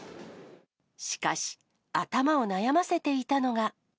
しかし、頭を悩ませていたのが。